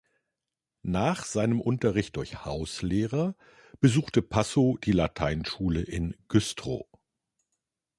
Nach seinem Unterricht durch Hauslehrer besuchte Passow die Lateinschule in Güstrow.